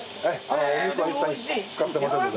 お肉は一切使ってませんので。